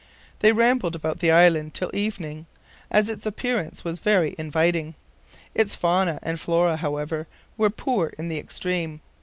They rambled about the island till evening, as its appearance was very inviting. Its FAUNA and FLORA, however, were poor in the extreme.